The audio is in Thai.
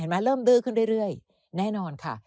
เห็นมั้ยเริ่มดื้อขึ้นเรื่อยแน่นอนค่ะ